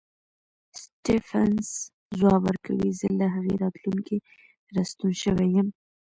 سټېفنس ځواب ورکوي زه له هغې راتلونکې راستون شوی یم